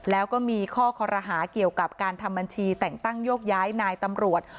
แล้วก็มีข้อคอรหาเกี่ยวกับการทำบัญชีแต่งตั้งโยกย้ายนายตำรวจ